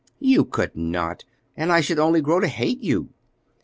"You could not, and I should only grow to hate you."